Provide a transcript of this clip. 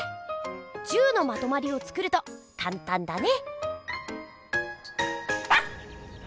１０のまとまりを作るとかんたんだね！